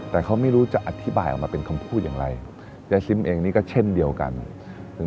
ที่สัมผัสได้จริง